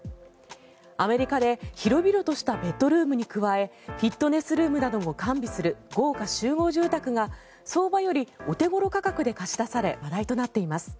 アメリカで広々としたベッドルームに加えフィットネスルームなども完備する豪華集合住宅が相場よりお手頃価格で貸し出され話題となっています。